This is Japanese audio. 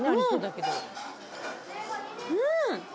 うん！